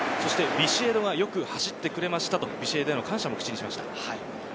ビシエドがよく走ってくれましたと、ビシエドへの感謝も口にしました。